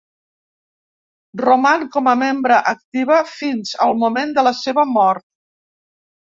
Roman com a membre activa fins al moment de la seva mort.